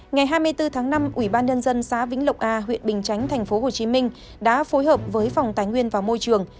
ngày hai mươi bốn tháng năm ủy ban nhân dân xã vĩnh lộc a huyện bình chánh tp hcm đã phối hợp với phòng tài nguyên và môi trường